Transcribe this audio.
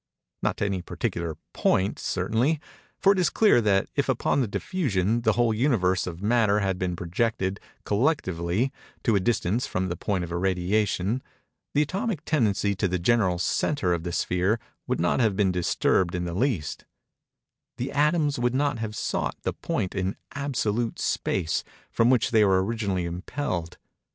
Not to any particular point, certainly; for it is clear that if, upon the diffusion, the whole Universe of matter had been projected, collectively, to a distance from the point of irradiation, the atomic tendency to the general centre of the sphere would not have been disturbed in the least:—the atoms would not have sought the point in absolute space from which they were originally impelled.